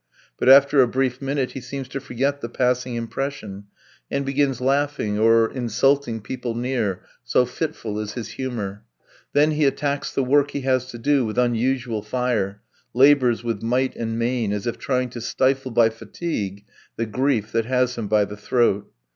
But after a brief minute he seems to forget the passing impression, and begins laughing, or insulting people near, so fitful is his humour; then he attacks the work he has to do with unusual fire, labours with might and main, as if trying to stifle by fatigue the grief that has him by the throat.